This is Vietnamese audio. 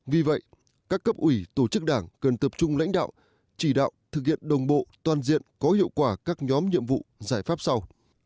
vì vậy các cấp ủy tổ chức đảng cần tập trung lãnh đạo chỉ đạo thực hiện đồng bộ toàn diện có hiệu quả các nhóm nhiệm vụ giải pháp sau